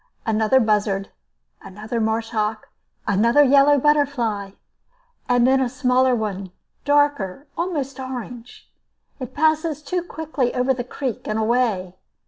Another buzzard, another marsh hawk, another yellow butterfly, and then a smaller one, darker, almost orange. It passes too quickly over the creek and away.